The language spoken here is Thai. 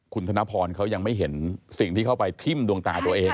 คุณธนพรเขายังไม่เห็นสิ่งที่เข้าไปทิ้มดวงตาตัวเอง